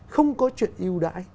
không có chuyện ưu đãi